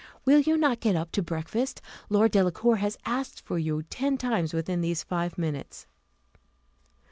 Will not you get up to breakfast? Lord Delacour has asked for you ten times within these five minutes."